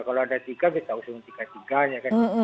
kalau ada tiga kita usung tiga tiganya